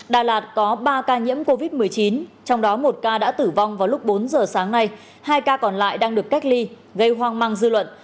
đà lạt có ba ca nhiễm covid một mươi chín trong đó một ca đã tử vong vào lúc bốn giờ sáng nay hai ca còn lại đang được cách ly gây hoang mang dư luận